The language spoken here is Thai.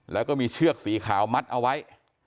แล้วก็มีเชือกสีขาวมัดเอาไว้